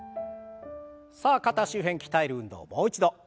さあ肩周辺鍛える運動もう一度。